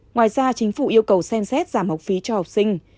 ngoài ra chính phủ yêu cầu xem xét giảm học phí cho học sinh